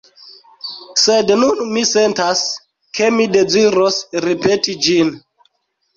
Sed nun mi sentas, ke mi deziros ripeti ĝin.